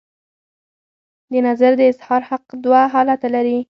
د نظر د اظهار حق دوه حالته لري.